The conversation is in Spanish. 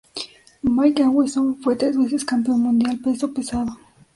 Mike Awesome fue tres veces Campeón Mundial Peso Pesado.